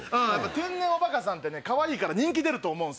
天然おバカさんってねかわいいから人気出ると思う。